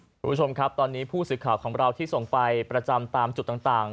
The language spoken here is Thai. คุณผู้ชมครับตอนนี้ผู้สื่อข่าวของเราที่ส่งไปประจำตามจุดต่าง